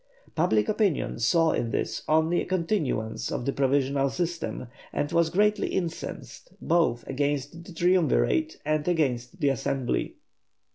Public opinion saw in this only a continuance of the provisional system and was greatly incensed, both against the Triumvirate and against the Assembly.